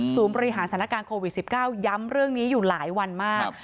บริหารสถานการณ์โควิด๑๙ย้ำเรื่องนี้อยู่หลายวันมาก